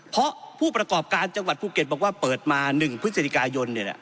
เพราะผู้ประกอบการจังหวัดภูเก็ตบอกว่าเปิดมา๑พฤศจิกายน